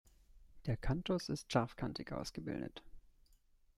Der Canthus ist scharfkantig ausgebildet.